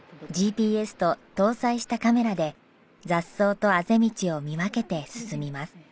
ＧＰＳと搭載したカメラで雑草とあぜ道を見分けて進みます。